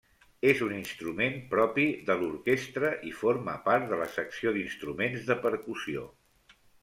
És un instrument propi de l'orquestra i forma part de la secció d'instruments de percussió.